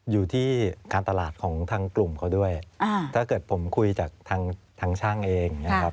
อยู่ที่การตลาดของทางกลุ่มเขาด้วยถ้าเกิดผมคุยจากทางช่างเองนะครับ